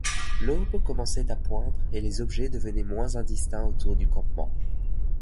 L’aube commençait à poindre, et les objets devenaient moins indistincts autour du campement.